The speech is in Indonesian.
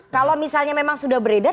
kalau misalnya memang sudah beredar